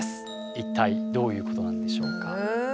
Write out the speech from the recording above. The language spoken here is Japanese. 一体どういうことなんでしょうか？